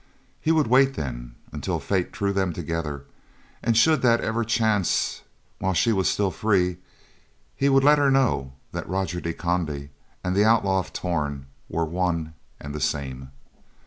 He would wait, then, until fate threw them together, and should that ever chance, while she was still free, he would let her know that Roger de Conde and the Outlaw of Torn were one and the same.